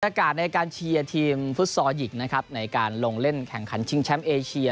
ในการเชียร์ทีมฟุตซอลหญิงนะครับในการลงเล่นแข่งขันชิงแชมป์เอเชีย